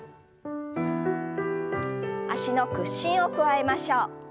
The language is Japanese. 脚の屈伸を加えましょう。